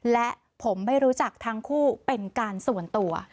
และผมไม่รู้จักทั้งคู่เป็นการส่วนตัว